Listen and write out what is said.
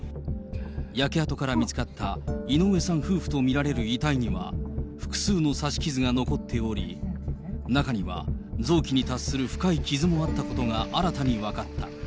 焼け跡から見つかった井上さん夫婦と見られる遺体には、複数の刺し傷が残っており、中には臓器に達する深い傷もあったことが新たに分かった。